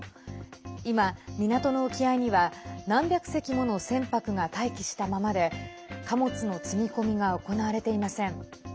今、港の沖合には何百隻もの船舶が待機したままで貨物の積み込みが行われていません。